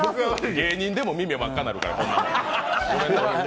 芸人でも耳真っ赤になるから。